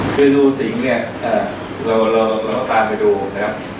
คือรูสิงเนี่ยเราตามไปดูนะครับ